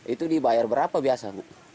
itu dibayar berapa biasa